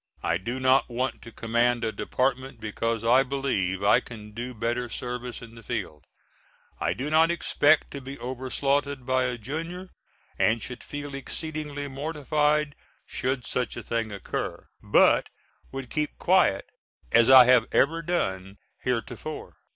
I do not want to command a department because I believe I can do better service in the field. I do not expect to be overslaughed by a junior and should feel exceedingly mortified should such a thing occur, but would keep quiet as I have ever done heretofore.